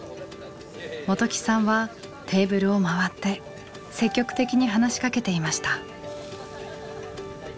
元起さんはテーブルを回って積極的に話しかけていました。